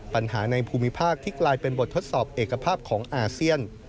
ในภูมิภาคที่กลายเป็นบททดสอบเอกภาพของอาเซียน